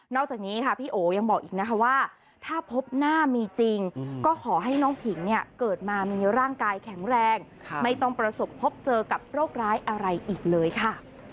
จากนี้ค่ะพี่โอยังบอกอีกนะคะว่าถ้าพบหน้ามีจริงก็ขอให้น้องผิงเนี่ยเกิดมามีร่างกายแข็งแรงไม่ต้องประสบพบเจอกับโรคร้ายอะไรอีกเลยค่ะ